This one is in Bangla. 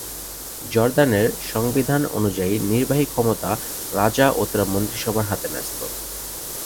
জর্দানের সংবিধান অনুযায়ী নির্বাহী ক্ষমতা রাজা ও তার মন্ত্রিসভার হাতে ন্যস্ত।